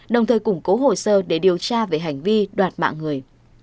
đồng thời củng cố hồ sơ để điều tra về hành vi đoạt mạng người